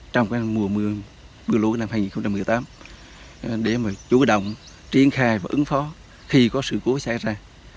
trong mùa mưa lũ năm hai nghìn một mươi tám để mà chủ động triển khai và ứng phó khi có sự cố xảy ra